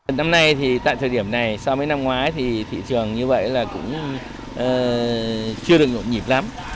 năm nay thì tại thời điểm này so với năm ngoái thì thị trường như vậy là cũng chưa được nhộn nhịp lắm